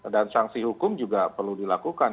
dan sanksi hukum juga perlu dilakukan